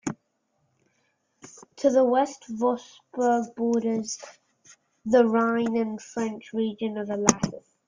To the west Vogtsburg borders the Rhine and the French region of Elsass.